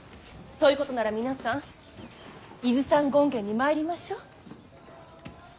そういうことなら皆さん伊豆山権現に参りましょう。